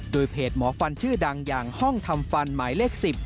โดยเพจหมอฟันชื่อดังอย่างห้องทำฟันหมายเลข๑๐